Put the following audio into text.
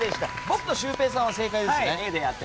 僕とシュウペイさんは正解ですね。